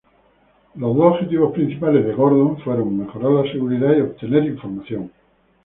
Los dos objetivos principales del Gordon fueron mejorar la seguridad y obtener información.